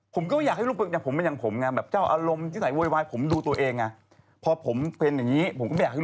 ผมก็ไม่อยากให้ลูกเป็นอย่างผมอย่างผมเป็นอย่างผมไง